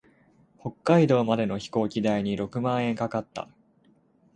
北海道までの飛行機代に六万円かかった。